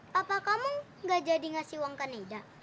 papa kamu nggak jadi ngasih uang ke neda